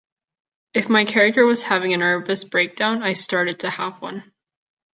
If my character was having a nervous breakdown, I started to have one.